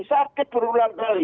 sakit berulang kali